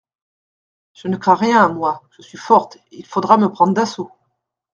Je ne crains rien, moi, je suis forte, Il faudra me prendre d’assaut !